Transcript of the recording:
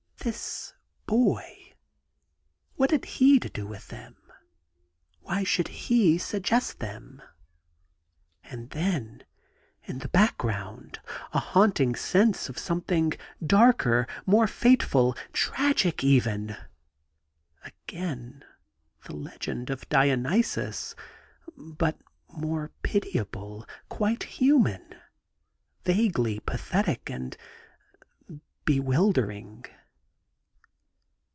This boy !— ^what had he to do with them ? Why should he suggest them ? And then, in the background, a haunting sense of some thing darker, more fateful — tragic even !— again the legend of Dionysus ; but more pitiable, quite human, vaguely pathetic and bewildering.